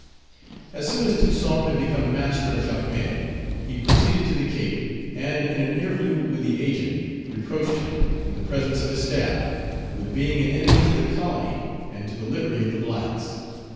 As soon as Toussaint had become master of Jacmel, he proceeded to the Cape, and in an interview with the Agent, reproached him, in the presence of his staff, with being an enemy to the colony and to the liberty of the blacks.